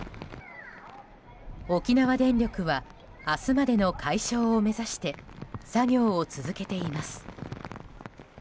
沖縄電力は明日までの解消を目指して作業を続けています。